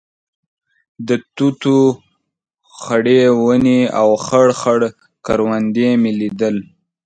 د توتو خړې ونې او خړ خړ کروندې مې لیدل.